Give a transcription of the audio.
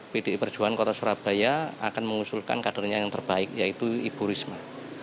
pdi perjuangan kota surabaya akan mengusulkan kadernya yang terbaik yaitu ibu risma